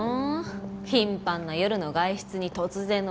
頻繁な夜の外出に突然の涙ねえ。